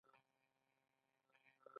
دا د خلکو اړتیاوې پوره کوي.